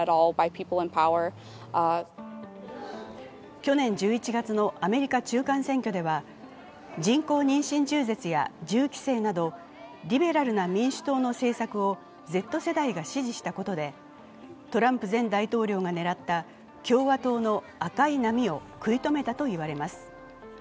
去年１１月のアメリカ中間選挙では、人口妊娠中絶や銃規制などリベラルな民主党の政策をＺ世代が支持したことでトランプ前大統領が狙った共和党の赤い波を食い止めたと言われます。